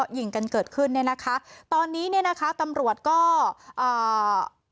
ในพระสัพพงค์กุณอมรการผู้ต้องหาตามหมายจับสารอายาข้อหาพยายามฆ่าผู้อื่น